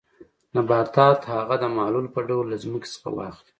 نباتات هغه د محلول په ډول له ځمکې څخه واخلي.